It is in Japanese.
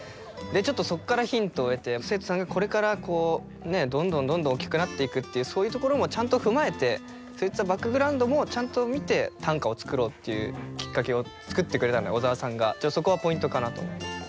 ちょっとそこからヒントを得て生徒さんがこれからどんどんどんどん大きくなっていくっていうそういうところもちゃんと踏まえてそういったバックグラウンドもちゃんと見て短歌を作ろうっていうきっかけを作ってくれたので小沢さんが。そこはポイントかなと。